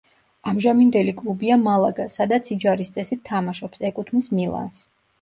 ამჟამინდელი კლუბია მალაგა სადაც იჯარის წესით თამაშობს, ეკუთვნის მილანს.